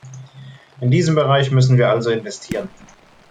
In diesen Bereichen müssen wir also investieren.